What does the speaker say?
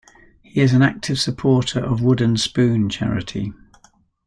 He is an active supporter of Wooden Spoon charity.